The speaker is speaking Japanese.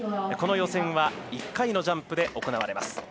この予選は１回のジャンプで行われます。